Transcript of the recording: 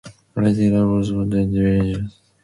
Riding the rods was very dangerous.